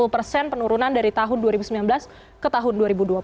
lima puluh persen penurunan dari tahun dua ribu sembilan belas ke tahun dua ribu dua puluh